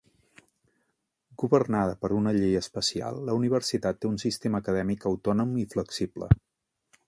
Governada per una llei especial, la universitat té un sistema acadèmic autònom i flexible.